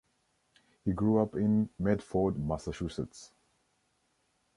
He grew up in Medford, Massachusetts.